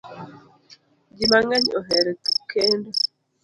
Ji mang'eny ohero kendo